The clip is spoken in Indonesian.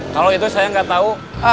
kalau itu saya gak tau